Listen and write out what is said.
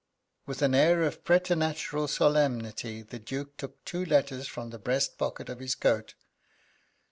With an air of preternatural solemnity the Duke took two letters from the breast pocket of his coat.